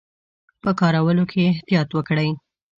په کارولو کې یې احتیاط وکړي.